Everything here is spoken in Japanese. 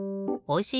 お！